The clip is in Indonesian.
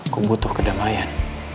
ku butuh kedamaian